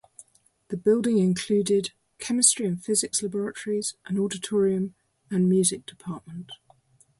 The building included chemistry and physics laboratories, an auditorium and music department.